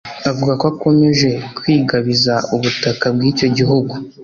avuga ko ikomeje kwigabiza ubutaka bw’icyo gihugu